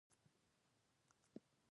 دوی د لرګیو بکسونه جوړوي.